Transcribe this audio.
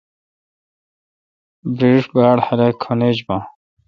بریش باڑ خاق کھن ایج بان۔